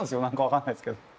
何か分かんないですけど。